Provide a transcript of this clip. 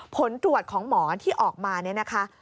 ผลตรวจของหมอที่ออกมาเนี่ยนะคะ